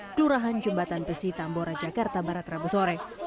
kelurahan jembatan besi tambora jakarta barat rabu sore